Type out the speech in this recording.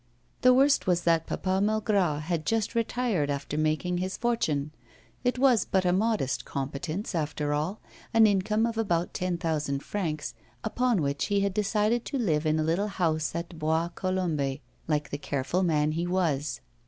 The worst was that Papa Malgras had just retired after making his fortune. It was but a modest competence after all, an income of about ten thousand francs, upon which he had decided to live in a little house at Bois Colombes, like the careful man he was.